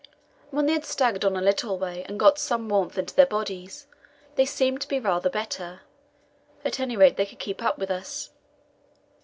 When they had staggered on a little way and got some warmth into their bodies, they seemed to be rather better at any rate, they could keep up with us.